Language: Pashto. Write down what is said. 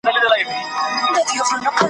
خپل نصیب وو تر قفسه رسولی ,